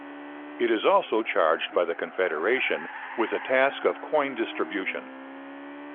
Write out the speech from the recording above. It is also charged by the Confederation with the task of coin distribution.